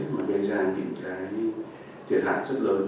mà gây ra những cái thiệt hạn rất lớn